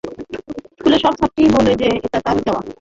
স্কুলের সব ছাত্রই বলে যে এটা তার দেওয়া।